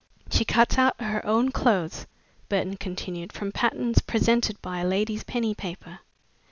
"She cuts out her own clothes," Burton continued, "from patterns presented by a ladies' penny paper.